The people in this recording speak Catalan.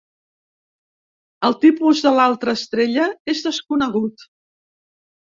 El tipus de l'altra estrella és desconegut.